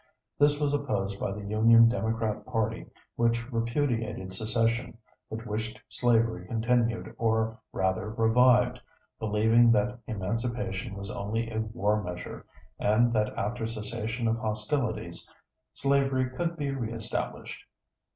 This was opposed by the Union Democrat party, which repudiated secession, but wished slavery continued or rather revived, believing that emancipation was only a war measure, and that after cessation of hostilities, slavery could be reestablished.